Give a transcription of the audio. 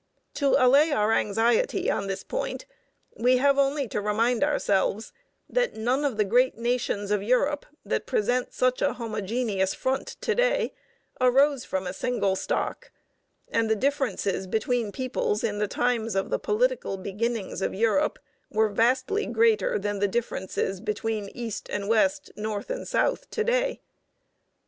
To allay our anxiety on this point, we have only to remind ourselves that none of the great nations of Europe that present such a homogeneous front to day arose from a single stock; and the differences between peoples in the times of the political beginnings of Europe were vastly greater than the differences between East and West, North and South, to day.